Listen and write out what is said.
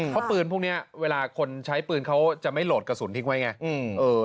เพราะปืนพวกนี้เวลาคนใช้ปืนเขาจะไม่โหลดกระสุนทิ้งไว้ไง